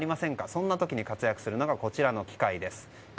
そんな時に活躍するのはこの機械です。